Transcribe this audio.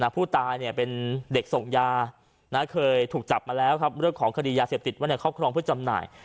ผู้ตายเป็นเด็กส่งยาเคยถูกจับมาแล้วเรื่องของคดียาเสียบติดว่าเขาครองผู้จำหน่าย